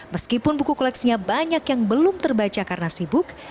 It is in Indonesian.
meskipun buku koleksinya banyak yang belum terbaca karena sibuk